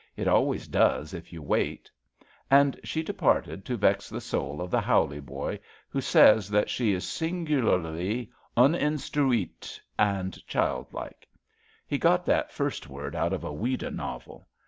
It always does if you waif And she departed to vex the soul of the Hawley boy,'' who says that she is sin 147 148 ABAFT THE FUNNEL gularly uninstruite and childlike/ V He got that first word out of a Ouida novel.